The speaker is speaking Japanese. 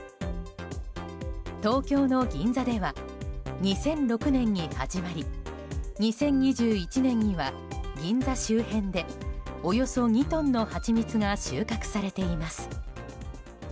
東京の銀座では２００６年に始まり２０２１年には銀座周辺でおよそ２トンのハチミツが収穫されています。